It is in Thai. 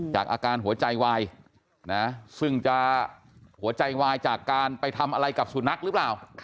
จากอาการหัวใจวายซึ่งจะหัวใจวายจากการไปทำอะไรกับสุนัขหรือเปล่า